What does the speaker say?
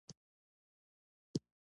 نه دې لهجه خپله ده.